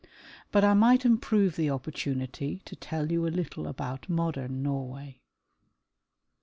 But I might improve the opportunity to tell you a little about modern Norway.